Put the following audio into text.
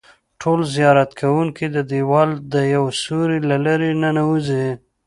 ټول زیارت کوونکي د دیوال د یوه سوري له لارې ننوځي.